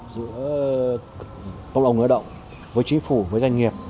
giữa công lộng lao động với chính phủ với doanh nghiệp